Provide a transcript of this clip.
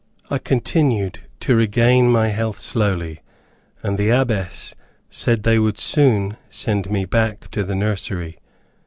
I continued to regain my health slowly, and the Abbess said they would soon send me back to the nursery.